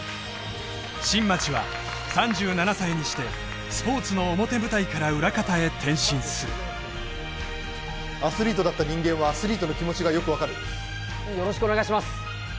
新町は３７歳にして転身するアスリートだった人間はアスリートの気持ちがよく分かるよろしくお願いします